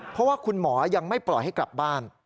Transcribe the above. เพราะว่าคุณหมอยังไม่ปล่อยให้กลับบ้าน